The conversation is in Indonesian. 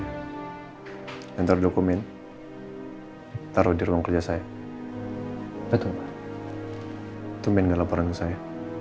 hai senter dokumen hai taruh di ruang kerja saya betul tumeng laparan saya